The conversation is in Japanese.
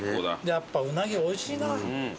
やっぱうなぎおいしいな。